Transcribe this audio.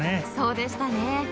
そうでしたね